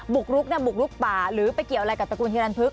บุกลุกป่าหรือไปเกี่ยวอะไรกับตระกูลฮิรันพึก